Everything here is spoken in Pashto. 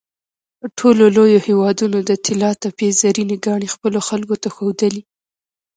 ټولو لویو هېوادونو د طلاتپې زرینې ګاڼې خپلو خلکو ته ښودلې.